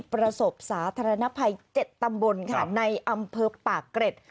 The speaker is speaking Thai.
ประสบสาธารณภัย๗ตำบลค่ะในอำเภอปากเกร็ด